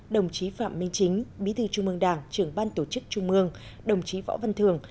đồng chí phạm minh chính bí thư trung mương đảng trưởng ban tổ chức trung mương đồng chí võ văn thường